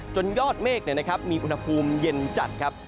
ยอดเมฆมีอุณหภูมิเย็นจัดครับ